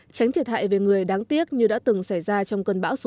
tránh thiệt hại về người đáng tiếc như đã từng xảy ra trong cơn bão số một mươi hai